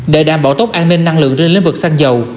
để đảm bảo tốt an ninh năng lượng trên lĩnh vực xăng dầu